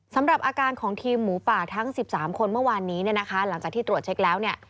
สำหรับอาการของทีมหมูป่าทั้ง๑๓คนเมื่อวานนี้เนี่ยนะคะหลังจากที่ตรวจเช็คแล้วเนี่ย